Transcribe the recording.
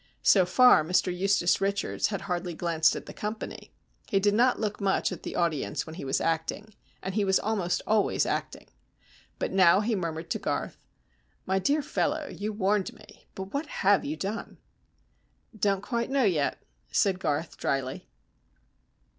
So far Mr Eustace Richards had hardly glanced at the company. He did not look much at the audience when he was acting, and he was almost always acting. But now he murmured to Garth: "My dear fellow, you warned me but what have you done?" "Don't quite know yet," said Garth, drily.